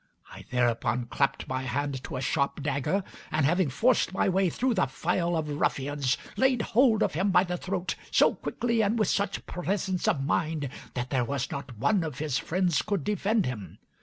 I thereupon clapped my hand to a sharp dagger, and having forced my way through the file of ruffians, laid hold of him by the throat, so quickly and with such presence of mind that there was not one of his friends could defend him.